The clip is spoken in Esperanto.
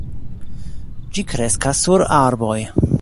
Ĝi kreskas sur arboj.